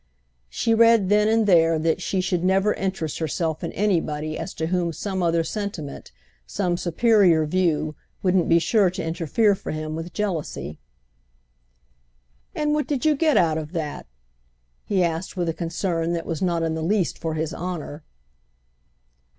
She read then and there that she should never interest herself in anybody as to whom some other sentiment, some superior view, wouldn't be sure to interfere for him with jealousy. "And what did you get out of that?" he asked with a concern that was not in the least for his honour.